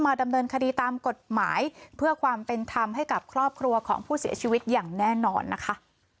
ดำเนินคดีตามกฎหมายเพื่อความเป็นธรรมให้กับครอบครัวของผู้เสียชีวิตอย่างแน่นอนนะคะ